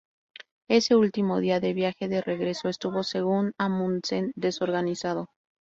Ese último día de viaje de regreso estuvo, según Amundsen, desorganizado.